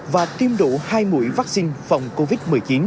và tiêm đủ hai mũi vaccine phòng covid một mươi chín